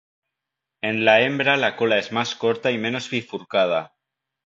En la hembra la cola es más corta y menos bifurcada.